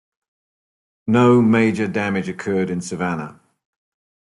No major damage occurred in Savannah.